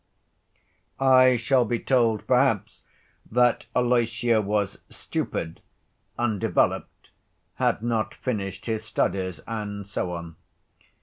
I shall be told, perhaps, that Alyosha was stupid, undeveloped, had not finished his studies, and so on.